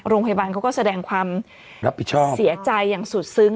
โรงพยาบาลเขาก็แสดงความรับผิดชอบเสียใจอย่างสุดซึ้ง